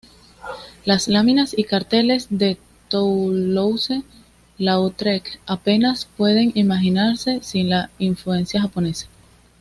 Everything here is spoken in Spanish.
Las láminas y carteles de Toulouse-Lautrec apenas pueden imaginarse sin la influencia japonesa.